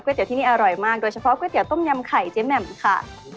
เตี๋ที่นี่อร่อยมากโดยเฉพาะก๋วยเตี๋ต้มยำไข่เจ๊แหม่มค่ะ